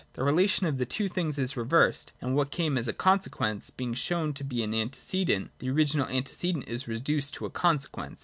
The relation of the two things is reversed ; and what came as a consequence, being shown to be an antecedent, the original antecedent is reduced to a consequence.